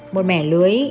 một mẻ lưới